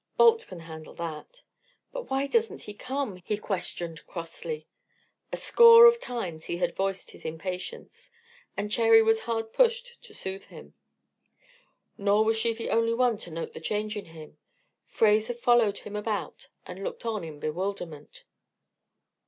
"Balt can handle that." "But why doesn't he come?" he questioned, crossly. A score of times he had voiced his impatience, and Cherry was hard pushed to soothe him. Nor was she the only one to note the change in him; Fraser followed him about and looked on in bewilderment.